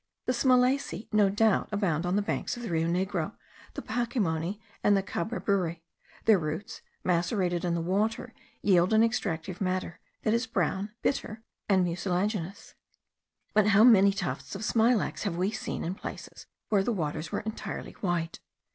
The Smilaceae no doubt abound on the banks of the Rio Negro, the Pacimony, and the Cababury; their roots, macerated in the water, yield an extractive matter, that is brown, bitter, and mucilaginous; but how many tufts of smilax have we seen in places, where the waters were entirely white.